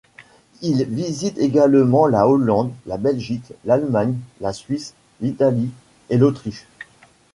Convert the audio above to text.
Il visite également la Hollande, la Belgique, l'Allemagne, la Suisse, l'Italie et l'Autriche.